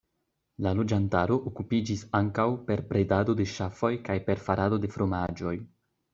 La loĝantaro okupiĝis ankaŭ per bredado de ŝafoj kaj per farado de fromaĝoj.